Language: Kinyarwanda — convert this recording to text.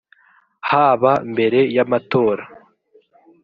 haba mbere y amatora